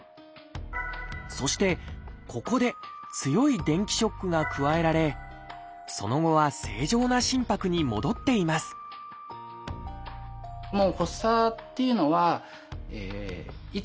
そしてここで強い電気ショックが加えられその後は正常な心拍に戻っていますはあ！